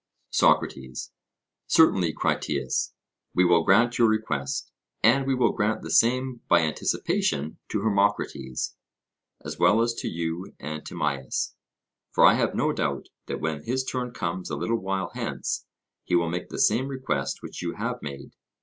SOCRATES: Certainly, Critias, we will grant your request, and we will grant the same by anticipation to Hermocrates, as well as to you and Timaeus; for I have no doubt that when his turn comes a little while hence, he will make the same request which you have made.